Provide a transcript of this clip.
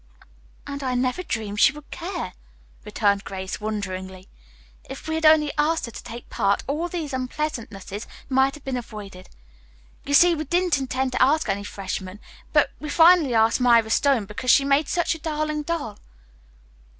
"And I never dreamed she would care," returned Grace wonderingly. "If we had only asked her to take part, all these unpleasantnesses might have been avoided. You see, we didn't intend to ask any freshmen, but we finally asked Myra Stone because she made such a darling doll.